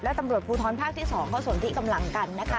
และตำรวจภูทรภาคที่๒เขาสนที่กำลังกันนะคะ